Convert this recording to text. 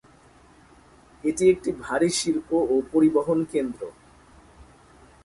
এটি একটি ভারী শিল্প ও পরিবহন কেন্দ্র।